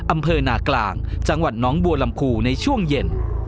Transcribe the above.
อำเภอนากลางจังหวัดน้องบัวลำพูในช่วงเย็น